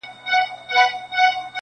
که دي نه وي زده ټول عمر دي تباه دی؛